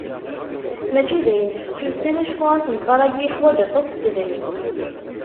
Mačči d ayen fessusen acku asenfar-agi yeḥwaǧ aṭas n tedrimt.